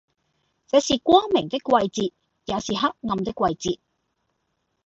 這是光明的季節，也是黑暗的季節，